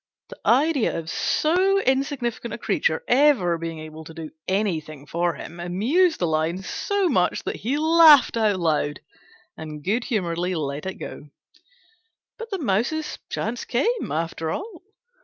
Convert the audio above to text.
The idea of so insignificant a creature ever being able to do anything for him amused the Lion so much that he laughed aloud, and good humouredly let it go. But the Mouse's chance came, after all.